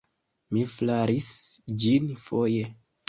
Mi flaris ĝin foje.